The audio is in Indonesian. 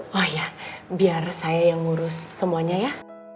wah ya biar saya yang ngurus semuanya ya